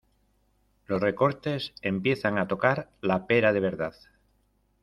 Los recortes empiezan a tocar la pera de verdad.